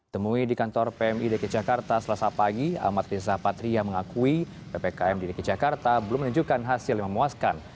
temui di kantor pmi dki jakarta selasa pagi amat riza patria mengakui ppkm di dki jakarta belum menunjukkan hasil yang memuaskan